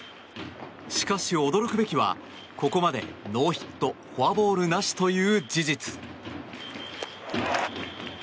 しかし、驚くべきはここまでノーヒットフォアボールなしという事実。